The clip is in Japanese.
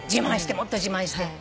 もっと自慢して。